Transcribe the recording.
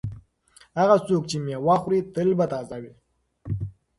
هغه څوک چې مېوه خوري تل به تازه وي.